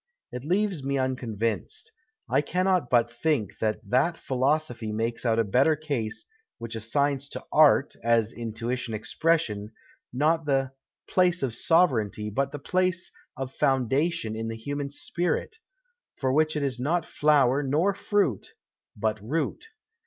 It leaves me unconvinced. I cannot but think that that ])hilosophy makes out a better case which assigns to art, as intuition expression, not the " place of sovereignty " but the place of foundation in the liuman sj^irit ; for which it in not flower nor fruit, but root.